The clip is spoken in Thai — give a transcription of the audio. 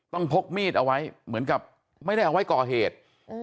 พกมีดเอาไว้เหมือนกับไม่ได้เอาไว้ก่อเหตุ